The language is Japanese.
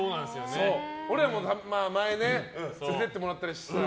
俺らも、前ね連れて行ってもらったりして。